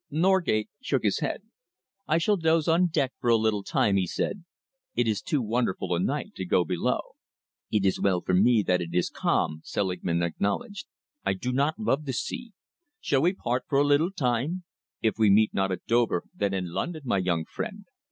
Norgate shook his head. "I shall doze on deck for a little time," he said. "It is too wonderful a night to go below." "It is well for me that it is calm," Selingman acknowledged. "I do not love the sea. Shall we part for a little time? If we meet not at Dover, then in London, my young friend.